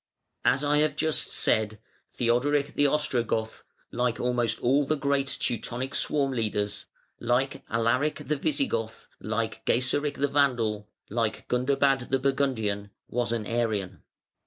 As I have just said, Theodoric the Ostrogoth, like almost all the great Teutonic swarm leaders, like Alaric the Visigoth, like Gaiseric the Vandal, like Gundobad the Burgundian, was an Arian.